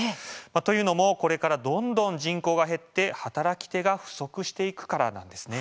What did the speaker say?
というのも、これからどんどん人口が減って働き手が不足していくからです。